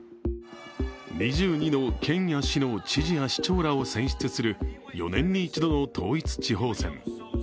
２２の県や市の知事や市長らを選出する４年に一度の統一地方選。